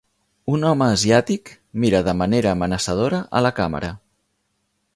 un home asiàtic mira de manera amenaçadora a la càmera.